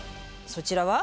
そちらは？